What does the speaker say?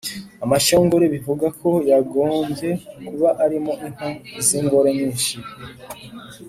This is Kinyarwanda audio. amashyongore bivuga ko yagombye kuba arimo inka z‘ingore nyinshi.